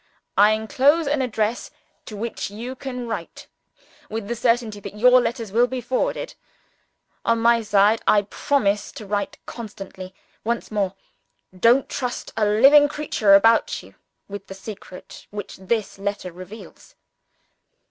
I enclose an address to which you can write, with the certainty that your letters will be forwarded. "On my side, I promise to write constantly. Once more, don't trust a living creature about you with the secret which this letter reveals!